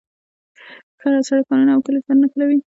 سړک ښارونه او کلیو سره نښلوي.